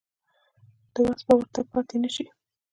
د وس به ورته پاتې نه شي.